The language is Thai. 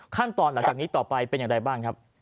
ขั้นตอนหลังจากนี้ต่อไปเป็นอย่างไรบ้างครับ